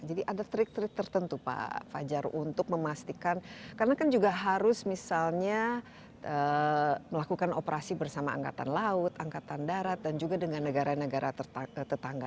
jadi ada trik trik tertentu pak fajar untuk memastikan karena kan juga harus misalnya melakukan operasi bersama angkatan laut angkatan darat dan juga dengan negara negara tetangga